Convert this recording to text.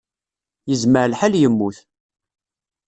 Yezmer lḥal yemmut.